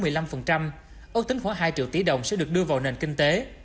ước tính khoảng hai triệu tỷ đồng sẽ được đưa vào nền kinh tế